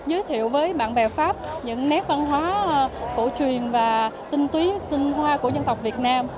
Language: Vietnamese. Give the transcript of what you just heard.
giới thiệu với bạn bè pháp những nét văn hóa cổ truyền và tinh túy tinh hoa của dân tộc việt nam